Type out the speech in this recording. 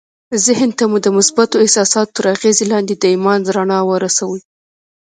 ذهن ته مو د مثبتو احساساتو تر اغېز لاندې د ايمان رڼا ورسوئ.